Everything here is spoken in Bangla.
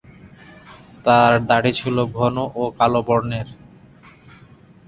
তার দাড়ি ছিল ঘন ও কালো বর্ণের।